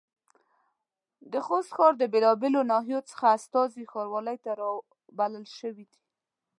د خوست ښار د بېلابېلو ناحيو څخه استازي ښاروالۍ ته رابلل شوي دي.